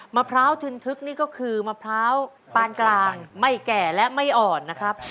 มะพร้าวทึนทึกนี่ก็คือมะพร้าวปานกลางไม่แก่และไม่อ่อนนะครับ